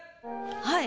はい。